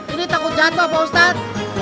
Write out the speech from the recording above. ini takut jatuh pak ustadz